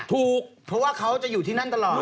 ถูกเพราะว่าเขาจะอยู่ที่นั่นตลอด